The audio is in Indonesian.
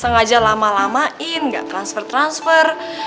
sengaja lama lamain nggak transfer transfer